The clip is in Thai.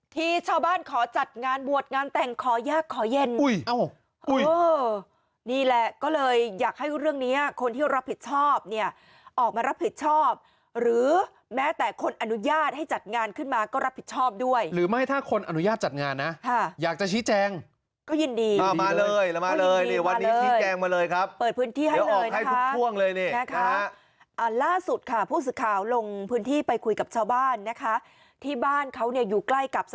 ที่ชาวบ้านขอจัดงานบวชงานแต่งขอยากขอยเย็นนี่แหละก็เลยอยากให้เรื่องนี้คนที่รับผิดชอบเนี่ยออกมารับผิดชอบหรือแม้แต่คนอนุญาตให้จัดงานขึ้นมาก็รับผิดชอบด้วยหรือไม่ถ้าคนอนุญาตจัดงานนะอยากจะชี้แจงก็ยินดีมาเลยวันนี้ชี้แจงมาเลยครับเปิดพื้นที่ให้เลยนะครับเดี๋ยวออกให้ทุกช่วงเลยนะครับล่าสุดค่ะผู้ส